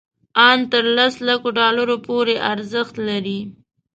ان تر لس لکو ډالرو پورې ارزښت لري.